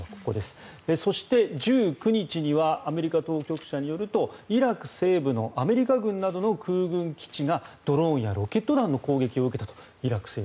そして、１９日にはアメリカ当局者によるとイラク西部のアメリカ軍などの空軍基地がドローンやロケット弾の攻撃を受けたと。